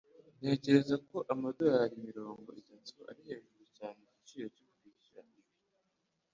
Ntekereza ko amadorari mirongo itatu ari hejuru cyane igiciro cyo kwishyura ibi.